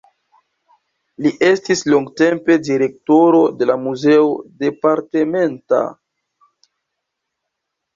Li estis longtempe direktoro de la muzeo departementa.